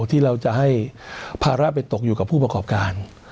ที่เราจะให้ภาระไปตกอยู่กับผู้ประกอบการ